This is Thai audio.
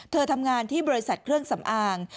ทำงานที่บริษัทเครื่องสำอาง